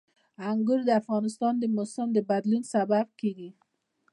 انګور د افغانستان د موسم د بدلون سبب کېږي.